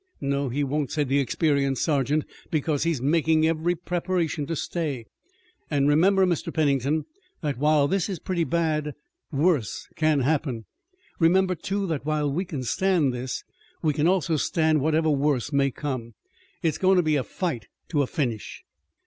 "No, he won't," said the experienced sergeant, "because he's making every preparation to stay. An' remember, Mr. Pennington, that while this is pretty bad, worse can happen. Remember, too, that while we can stand this, we can also stand whatever worse may come. It's goin' to be a fight to a finish."